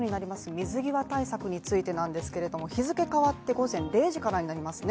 水際対策についてなんですけれども日付変わって午前０時からになりますね。